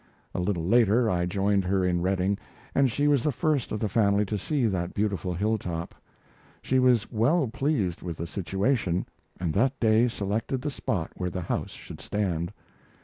A little later I joined her in Redding, and she was the first of the family to see that beautiful hilltop. She was well pleased with the situation, and that day selected the spot where the house should stand.